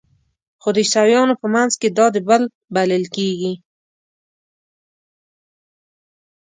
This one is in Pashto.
خو د عیسویانو په منځ کې دا د بلل کیږي.